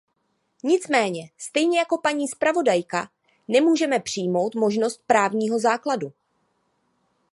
Nicméně, stejně jako paní zpravodajka, nemůžeme přijmout možnost právního základu.